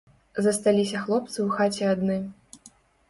Засталіся хлопцы ў хаце адны.